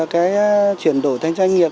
cái chuyển đổi thành doanh nghiệp